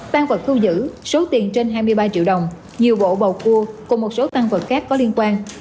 tăng vật thu giữ số tiền trên hai mươi ba triệu đồng nhiều bộ bầu cua cùng một số tăng vật khác có liên quan